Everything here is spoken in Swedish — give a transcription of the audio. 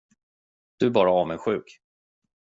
Du är bara avundsjuk.